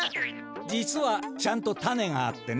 実はちゃんとタネがあってね